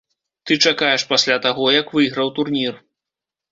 Ты чакаеш пасля таго, як выйграў турнір.